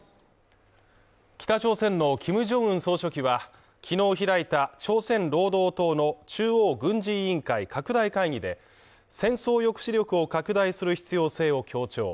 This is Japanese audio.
北朝鮮のキム・ジョンウン総書記は昨日開いた朝鮮労働党の中央軍事委員会拡大会議で戦争抑止力を拡大する必要性を強調。